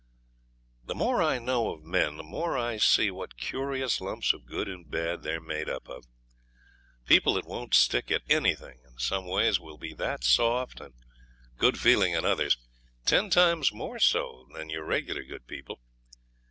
The more I know of men the more I see what curious lumps of good and bad they're made up of. People that won't stick at anything in some ways will be that soft and good feeling in others ten times more so than your regular good people.